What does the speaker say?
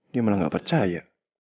dia malah gak percaya